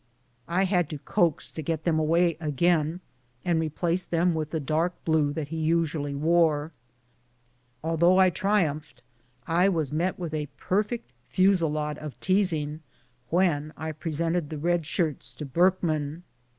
I had to coax to get them away again and replace them with the dark blue that he usually wore. Though I triumphed, I was met with a perfect fusillade of teasing when I presented the red shirts to Burkman.